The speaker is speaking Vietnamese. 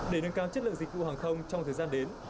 để nâng cao chất lượng dịch vụ hàng không trong thời gian đến